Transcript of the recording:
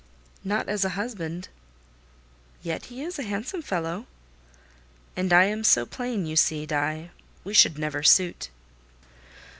"Not as a husband." "Yet he is a handsome fellow." "And I am so plain, you see, Die. We should never suit."